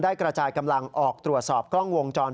กระจายกำลังออกตรวจสอบกล้องวงจรป